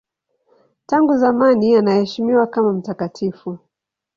Tangu zamani anaheshimiwa kama mtakatifu.